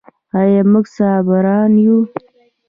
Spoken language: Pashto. آیا موږ صابران یو؟